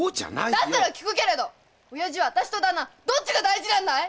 だったら聞くけれど親父は私と旦那どっちが大事なんだい！